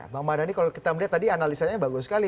bang mardhani kalau kita melihat tadi analisanya bagus sekali